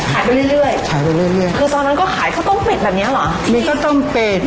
เราทำยังไงด้วย